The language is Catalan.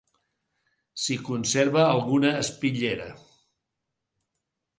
S'hi conserva alguna espitllera.